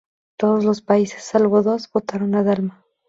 Todos los países, salvo dos, votaron a Dalma.